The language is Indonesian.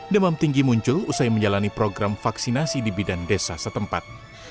demam tinggi muncul usai menjalani program vaksinasi di bidan desa setempat